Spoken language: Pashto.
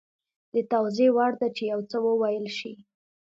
د توضیح وړ ده چې یو څه وویل شي